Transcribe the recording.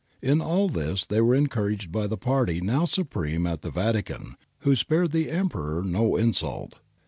^ In all this they were en couraged by the party now supreme at the Vatican, who spared the Emperor no insult.